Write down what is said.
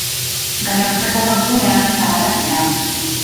Gainontzeko webgunean zabalak dira.